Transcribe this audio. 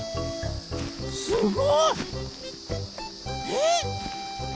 すごい！えっ？